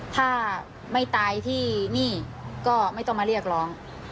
ถ้าไม่ตายที่นี่ก็ไม่ต้องมาเรียกร้อง